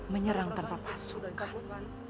menyerang tanpa pasukan